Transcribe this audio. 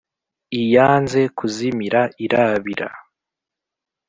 iyanze kuzimira irabira